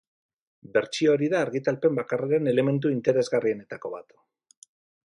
Bertsio hori da argitalpen bdakarren elementu interesgarrienetako bat.